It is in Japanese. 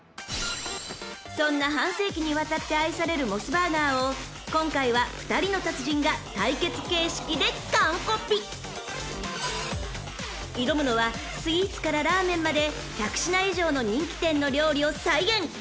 ［そんな半世紀にわたって愛されるモスバーガーを今回は２人の達人が対決形式でカンコピ］［挑むのはスイーツからラーメンまで１００品以上の人気店の料理を再現］